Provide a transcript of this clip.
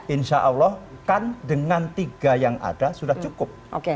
insya allah kan dengan tiga yang ada sudah cukup